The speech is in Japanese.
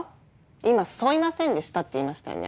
今「そいませんでした」って言いましたよね？